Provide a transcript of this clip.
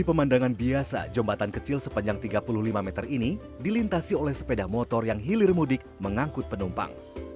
pemandangan biasa jembatan kecil sepanjang tiga puluh lima meter ini dilintasi oleh sepeda motor yang hilir mudik mengangkut penumpang